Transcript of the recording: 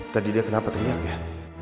tadi dia kenapa teriak ya